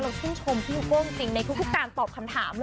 เราช่วงชมพี่ยูโก้จริงในทุกการตอบคำถามเลย